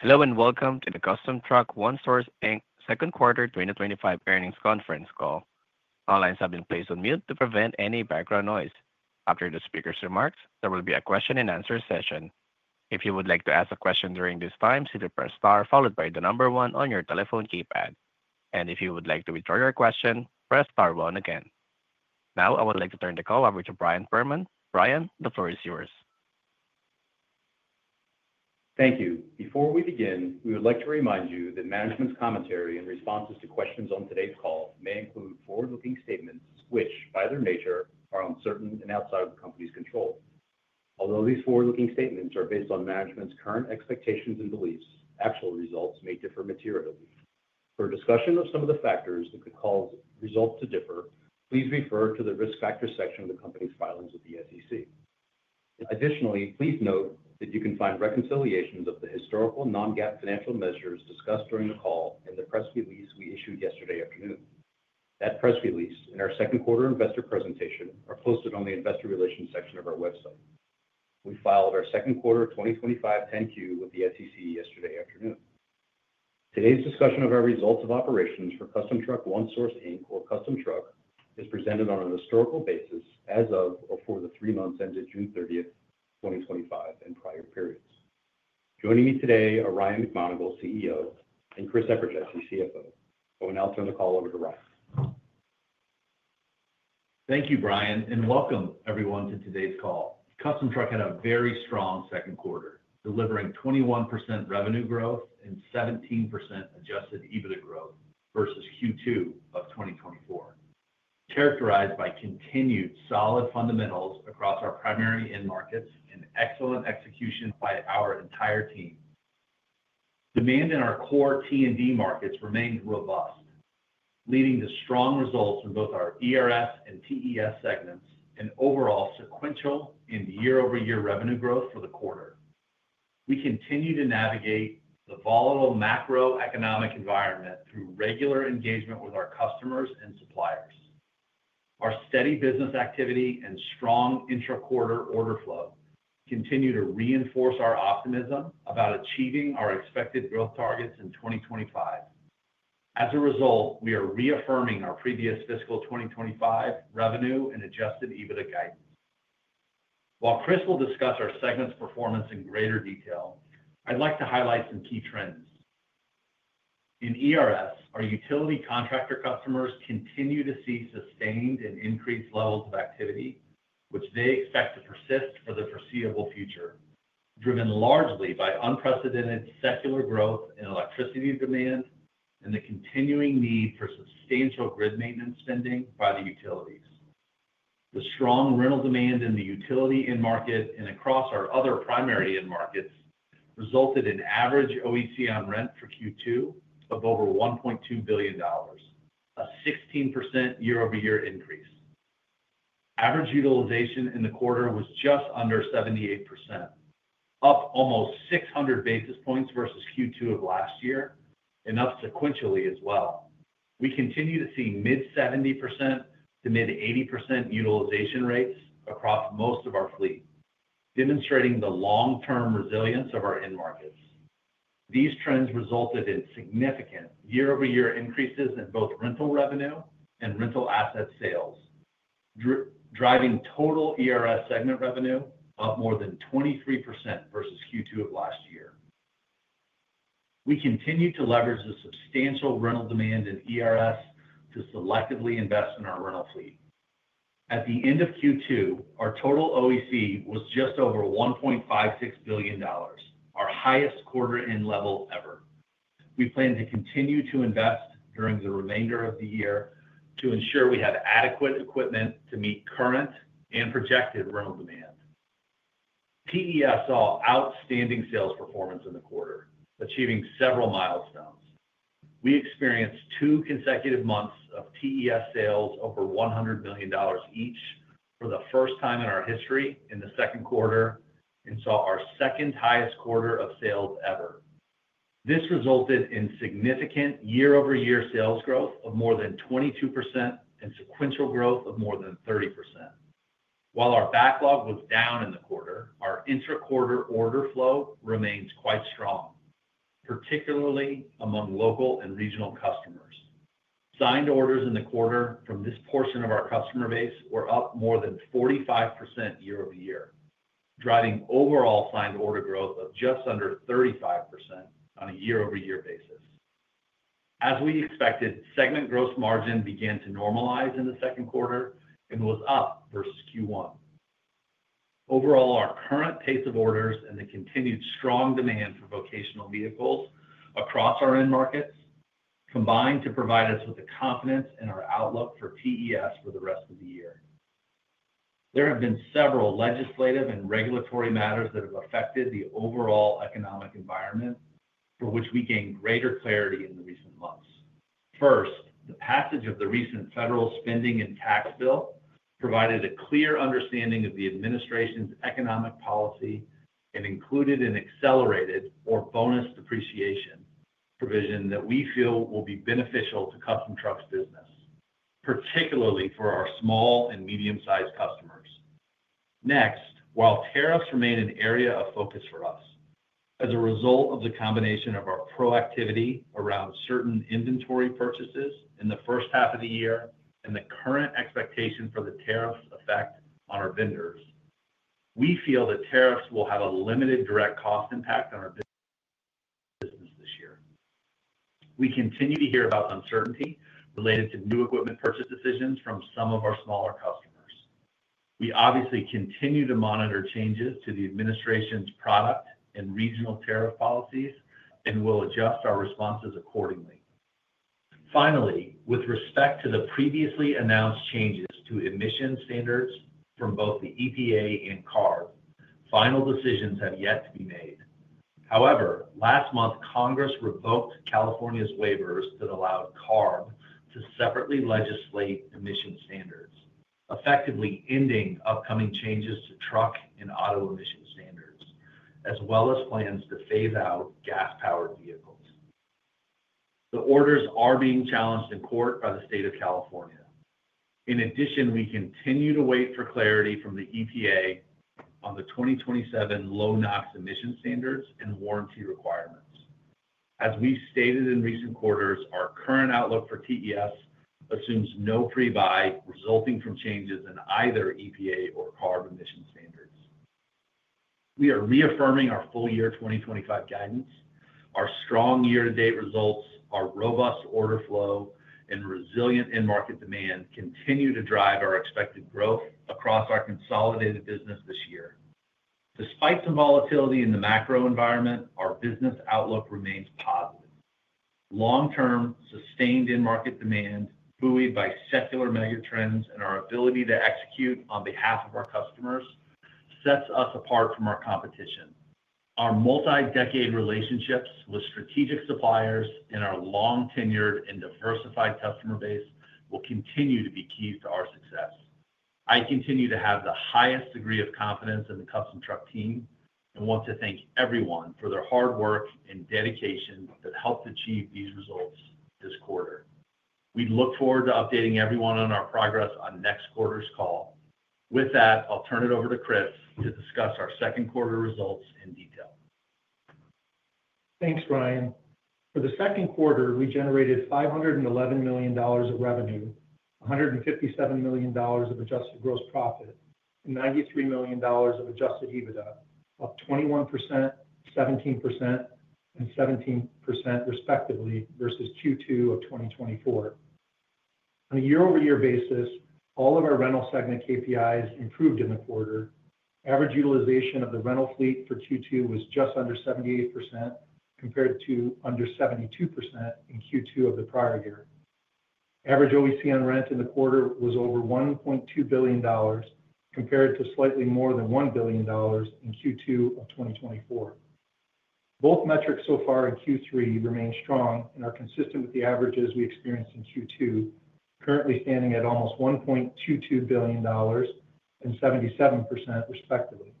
Hello and welcome to the Custom Truck One Source Inc. Second Quarter 2025 Earnings Conference Call. All lines have been placed on mute to prevent any background noise. After the speaker's remarks, there will be a question and answer session. If you would like to ask a question during this time, simply press star followed by the number one on your telephone keypad. If you would like to withdraw your question, press star one again. Now, I would like to turn the call over to Brian Perman. Brian, the floor is yours. Thank you. Before we begin, we would like to remind you that management's commentary and responses to questions on today's call may include forward-looking statements, which, by their nature, are uncertain and outside of the company's control. Although these forward-looking statements are based on management's current expectations and beliefs, actual results may differ materially. For a discussion of some of the factors that could cause results to differ, please refer to the risk factors section of the company's filings with the SEC. Additionally, please note that you can find reconciliations of the historical non-GAAP financial measures discussed during the call in the press release we issued yesterday afternoon. That press release and our second quarter investor presentation are posted on the investor relations section of our website. We filed our second quarter 2025 10-Q with the SEC yesterday afternoon. Today's discussion of our results of operations for Custom Truck One Source Inc., or Custom Truck, is presented on a historical basis as of or for the three months ended June 30, 2025, and prior periods. Joining me today are Ryan McMonagle, CEO, and Chris Eperjesy, CFO. I will now turn the call over to Ryan. Thank you, Brian, and welcome everyone to today's call. Custom Truck had a very strong second quarter, delivering 21% revenue growth and 17% adjusted EBITDA growth versus Q2 of 2024. Characterized by continued solid fundamentals across our primary end markets and excellent execution by our entire team. Demand in our core T&D markets remained robust, leading to strong results in both our ERF and TES segments and overall sequential and year-over-year revenue growth for the quarter. We continue to navigate the volatile macroeconomic environment through regular engagement with our customers and suppliers. Our steady business activity and strong intra-quarter order flow continue to reinforce our optimism about achieving our expected growth targets in 2025. As a result, we are reaffirming our previous fiscal 2025 revenue and adjusted EBITDA guidance. While Chris will discuss our segment's performance in greater detail, I'd like to highlight some key trends. In ERF, our utility contractor customers continue to see sustained and increased levels of activity, which they expect to persist for the foreseeable future, driven largely by unprecedented secular growth in electricity demand and the continuing need for substantial grid maintenance spending by the utilities. The strong rental demand in the utility end market and across our other primary end markets resulted in average OEC on rent for Q2 of over $1.2 billion, a 16% year-over-year increase. Average utilization in the quarter was just under 78%, up almost 600 basis points versus Q2 of last year, and up sequentially as well. We continue to see mid-70% to mid-80% utilization rates across most of our fleet, demonstrating the long-term resilience of our end markets. These trends resulted in significant year-over-year increases in both rental revenue and rental asset sales, driving total ERF segment revenue up more than 23% versus Q2 of last year. We continue to leverage the substantial rental demand in ERF to selectively invest in our rental fleet. At the end of Q2, our total OEC was just over $1.56 billion, our highest quarter-end level ever. We plan to continue to invest during the remainder of the year to ensure we have adequate equipment to meet current and projected rental demand. TES saw outstanding sales performance in the quarter, achieving several milestones. We experienced two consecutive months of TES sales over $100 million each for the first time in our history in the second quarter and saw our second highest quarter of sales ever. This resulted in significant year-over-year sales growth of more than 22% and sequential growth of more than 30%. While our backlog was down in the quarter, our intra-quarter order flow remains quite strong, particularly among local and regional customers. Signed orders in the quarter from this portion of our customer base were up more than 45% year-over-year, driving overall signed order growth of just under 35% on a year-over-year basis. As we expected, segment gross margin began to normalize in the second quarter and was up versus Q1. Overall, our current pace of orders and the continued strong demand for vocational vehicles across our end markets combine to provide us with the confidence in our outlook for TES for the rest of the year. There have been several legislative and regulatory matters that have affected the overall economic environment, for which we gained greater clarity in the recent months. First, the passage of the recent federal spending and tax bill provided a clear understanding of the administration's economic policy and included an accelerated or bonus depreciation provision that we feel will be beneficial to Custom Truck One Source's business, particularly for our small and medium-sized customers. Next, while tariffs remain an area of focus for us, as a result of the combination of our proactivity around certain inventory purchases in the first half of the year and the current expectation for the tariffs' effect on our vendors, we feel the tariffs will have a limited direct cost impact on our business this year. We continue to hear about uncertainty related to new equipment purchase decisions from some of our smaller customers. We obviously continue to monitor changes to the administration's product and regional tariff policies and will adjust our responses accordingly. Finally, with respect to the previously announced changes to emission standards from both the EPA and CARB, final decisions have yet to be made. However, last month, Congress revoked California's waivers that allowed CARB to separately legislate emission standards, effectively ending upcoming changes to truck and auto emission standards, as well as plans to phase out gas-powered vehicles. The orders are being challenged in court by the state of California. In addition, we continue to wait for clarity from the EPA on the 2027 low NOx emission standards and warranty requirements. As we've stated in recent quarters, our current outlook for TES assumes no pre-buy resulting from changes in either EPA or CARB emission standards. We are reaffirming our full-year 2025 guidance. Our strong year-to-date results, our robust order flow, and resilient end market demand continue to drive our expected growth across our consolidated business this year. Despite some volatility in the macro environment, our business outlook remains positive. Long-term, sustained end market demand, buoyed by secular megatrends, and our ability to execute on behalf of our customers sets us apart from our competition. Our multi-decade relationships with strategic suppliers and our long-tenured and diversified customer base will continue to be keys to our success. I continue to have the highest degree of confidence in the Custom Truck One Source team and want to thank everyone for their hard work and dedication that helped achieve these results this quarter. We look forward to updating everyone on our progress on next quarter's call. With that, I'll turn it over to Chris Eperjesy to discuss our second quarter results in detail. Thanks, Brian. For the second quarter, we generated $511 million of revenue, $157 million of adjusted gross profit, and $93 million of adjusted EBITDA, up 21%, 17%, and 17%, respectively, versus Q2 of 2024. On a year-over-year basis, all of our rental segment KPIs improved in the quarter. Average utilization of the rental fleet for Q2 was just under 78% compared to under 72% in Q2 of the prior year. Average OEC on rent in the quarter was over $1.2 billion compared to slightly more than $1 billion in Q2 of 2024. Both metrics so far in Q3 remain strong and are consistent with the averages we experienced in Q2, currently standing at almost $1.22 billion and 77%, respectively.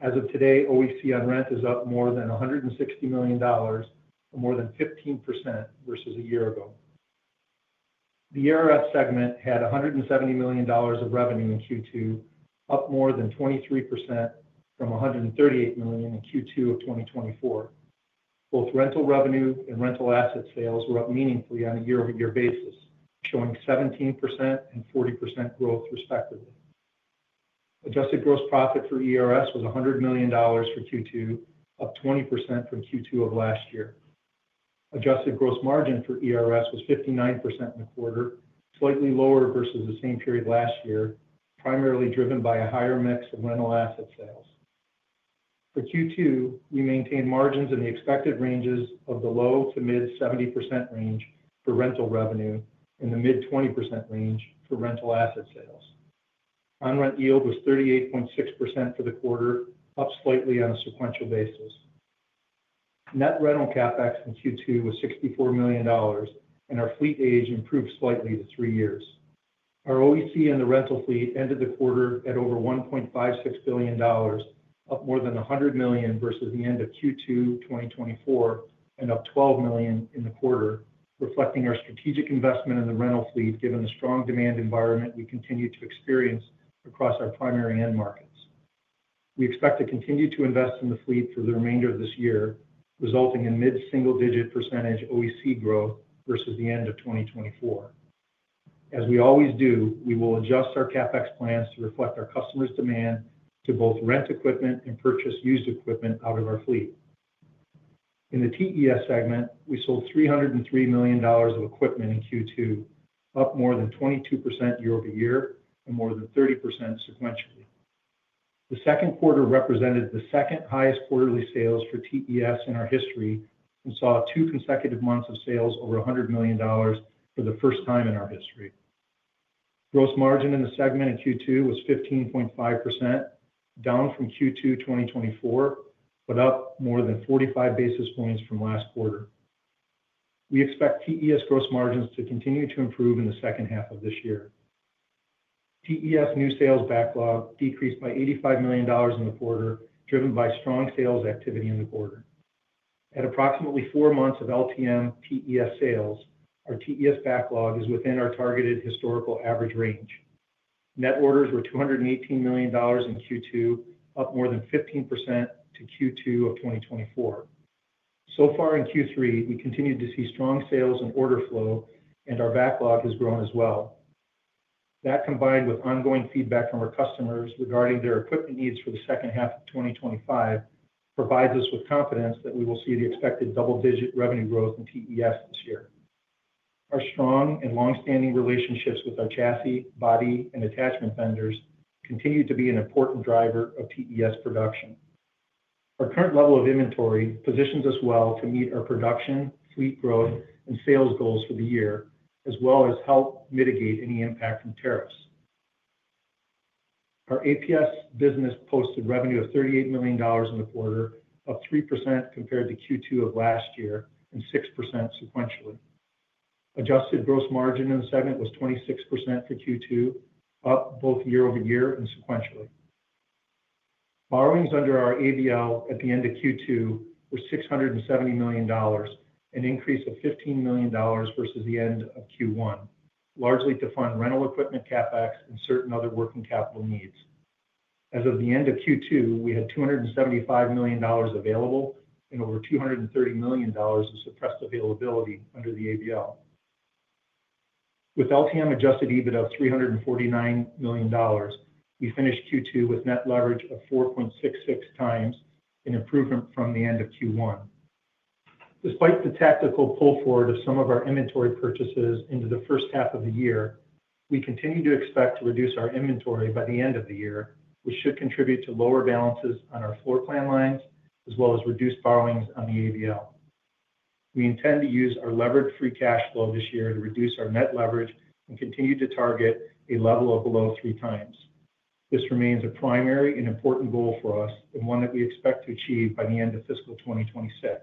As of today, OEC on rent is up more than $160 million and more than 15% versus a year ago. The ERF segment had $170 million of revenue in Q2, up more than 23% from $138 million in Q2 of 2024. Both rental revenue and rental asset sales were up meaningfully on a year-over-year basis, showing 17% and 40% growth, respectively. Adjusted gross profit for ERF was $100 million for Q2, up 20% from Q2 of last year. Adjusted gross margin for ERF was 59% in the quarter, slightly lower versus the same period last year, primarily driven by a higher mix of rental asset sales. For Q2, we maintained margins in the expected ranges of the low to mid-70% range for rental revenue and the mid-20% range for rental asset sales. On-rent yield was 38.6% for the quarter, up slightly on a sequential basis. Net rental CapEx in Q2 was $64 million, and our fleet age improved slightly to three years. Our OEC in the rental fleet ended the quarter at over $1.56 billion, up more than $100 million versus the end of Q2 2024 and up $12 million in the quarter, reflecting our strategic investment in the rental fleet given the strong demand environment we continue to experience across our primary end markets. We expect to continue to invest in the fleet for the remainder of this year, resulting in mid-single-digit percentage OEC growth versus the end of 2024. As we always do, we will adjust our CapEx plans to reflect our customers' demand to both rent equipment and purchase used equipment out of our fleet. In the TES segment, we sold $303 million of equipment in Q2, up more than 22% year-over-year and more than 30% sequentially. The second quarter represented the second highest quarterly sales for TES in our history and saw two consecutive months of sales over $100 million for the first time in our history. Gross margin in the segment in Q2 was 15.5%, down from Q2 2024, but up more than 45 basis points from last quarter. We expect TES gross margins to continue to improve in the second half of this year. TES new sales backlog decreased by $85 million in the quarter, driven by strong sales activity in the quarter. At approximately four months of LTM TES sales, our TES backlog is within our targeted historical average range. Net orders were $218 million in Q2, up more than 15% to Q2 of 2024. In Q3, we continued to see strong sales and order flow, and our backlog has grown as well. That combined with ongoing feedback from our customers regarding their equipment needs for the second half of 2025 provides us with confidence that we will see the expected double-digit revenue growth in TES this year. Our strong and longstanding relationships with our chassis, body, and attachment vendors continue to be an important driver of TES production. Our current level of inventory positions us well to meet our production, fleet growth, and sales goals for the year, as well as help mitigate any impact from tariffs. Our APS business posted revenue of $38 million in the quarter, up 3% compared to Q2 of last year and 6% sequentially. Adjusted gross margin in the segment was 26% for Q2, up both year-over-year and sequentially. Borrowings under our ABL at the end of Q2 were $670 million, an increase of $15 million versus the end of Q1, largely to fund rental equipment CapEx and certain other working capital needs. As of the end of Q2, we had $275 million available and over $230 million of suppressed availability under the ABL. With LTM adjusted EBITDA of $349 million, we finished Q2 with net leverage of 4.66x, an improvement from the end of Q1. Despite the tactical pull forward of some of our inventory purchases into the first half of the year, we continue to expect to reduce our inventory by the end of the year, which should contribute to lower balances on our floor plan lines as well as reduced borrowings on the ABL. We intend to use our leveraged free cash flow this year to reduce our net leverage and continue to target a level of below 3x. This remains a primary and important goal for us and one that we expect to achieve by the end of fiscal 2026.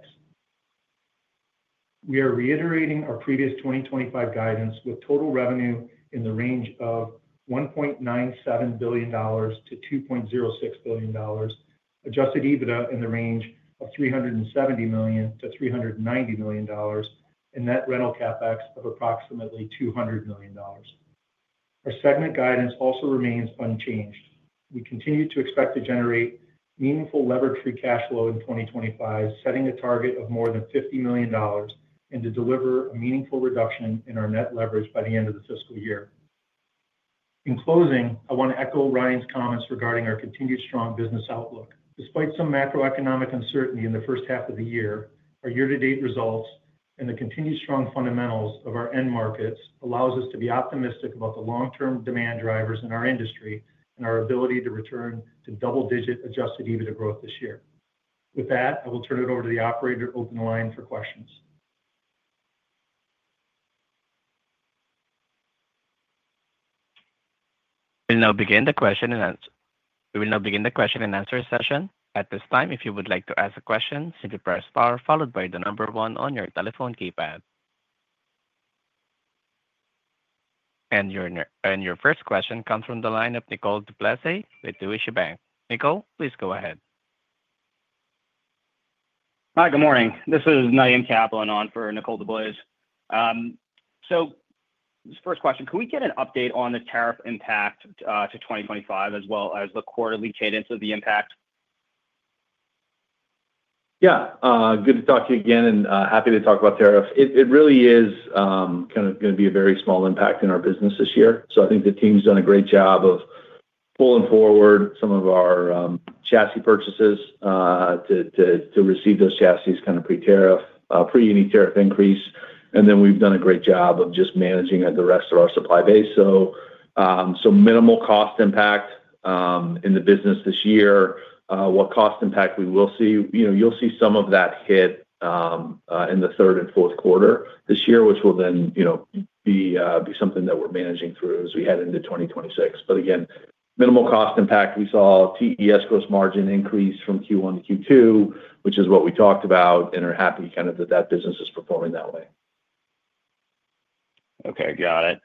We are reiterating our previous 2025 guidance with total revenue in the range of $1.97 billion-$2.06 billion, adjusted EBITDA in the range of $370 million-$390 million, and net rental CapEx of approximately $200 million. Our segment guidance also remains unchanged. We continue to expect to generate meaningful leveraged free cash flow in 2025, setting a target of more than $50 million and to deliver a meaningful reduction in our net leverage by the end of the fiscal year. In closing, I want to echo Ryan's comments regarding our continued strong business outlook. Despite some macroeconomic uncertainty in the first half of the year, our year-to-date results and the continued strong fundamentals of our end markets allow us to be optimistic about the long-term demand drivers in our industry and our ability to return to double-digit adjusted EBITDA growth this year. With that, I will turn it over to the operator to open the line for questions. We will now begin the question-and-answer session. At this time, if you would like to ask a question, simply press star followed by the number one on your telephone keypad. Your first question comes from the line of Nicole DeBlase with Deutsche Bank. Nicole, please go ahead. Hi, good morning. This is Naim Kaplan on for Nicole DeBlase. First question, can we get an update on the tariff impact to 2025 as well as the quarterly cadence of the impact? Yeah, good to talk to you again and happy to talk about tariffs. It really is kind of going to be a very small impact in our business this year. I think the team's done a great job of pulling forward some of our chassis purchases to receive those chassis kind of pre-tariff, pre-uni tariff increase. We've done a great job of just managing the rest of our supply base. Minimal cost impact in the business this year. What cost impact we will see, you'll see some of that hit in the third and fourth quarter this year, which will then be something that we're managing through as we head into 2026. Again, minimal cost impact. We saw TES gross margin increase from Q1 to Q2, which is what we talked about and are happy kind of that that business is performing that way. Okay, got it.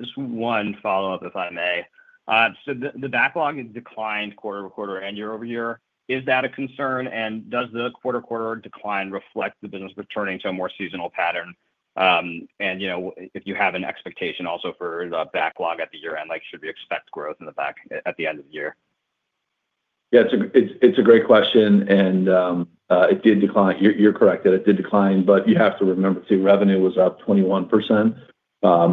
Just one follow-up, if I may. The backlog has declined quarter over quarter and year over year. Is that a concern? Does the quarter-over-quarter decline reflect the business returning to a more seasonal pattern? If you have an expectation also for the backlog at the year-end, should we expect growth in the backlog at the end of the year? Yeah, it's a great question. It did decline. You're correct that it did decline, but you have to remember too, revenue was up 21%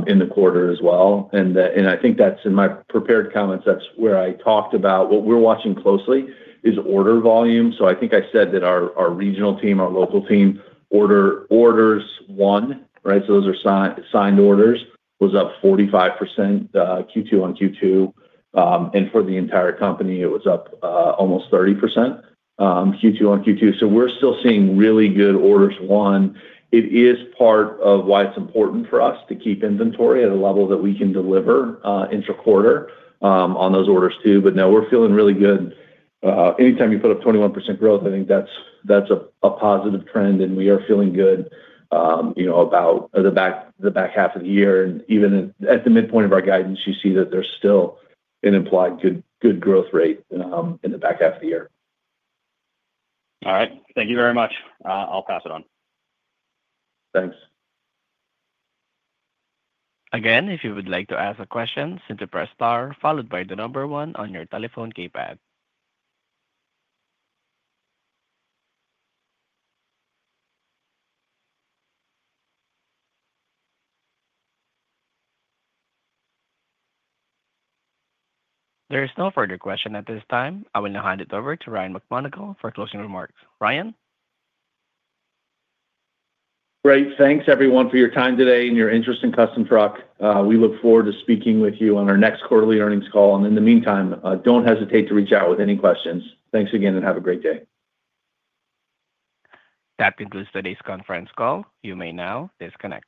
in the quarter as well. I think that's in my prepared comments, that's where I talked about what we're watching closely is order volume. I think I said that our regional team, our local team, orders won, right? Those are signed orders. It was up 45% Q2 on Q2. For the entire company, it was up almost 30% Q2 on Q2. We're still seeing really good orders won. It is part of why it's important for us to keep inventory at a level that we can deliver intra-quarter on those orders too. We're feeling really good. Anytime you put up 21% growth, I think that's a positive trend. We are feeling good, you know, about the back half of the year. Even at the midpoint of our guidance, you see that there's still an implied good growth rate in the back half of the year. All right, thank you very much. I'll pass it on. Thanks. Again, if you would like to ask a question, simply press star followed by the number one on your telephone keypad. There is no further question at this time. I will now hand it over to Ryan McMonagle for closing remarks. Ryan? Great, thanks everyone for your time today and your interest in Custom Truck One Source. We look forward to speaking with you on our next quarterly earnings call. In the meantime, don't hesitate to reach out with any questions. Thanks again and have a great day. That concludes today's conference call. You may now disconnect.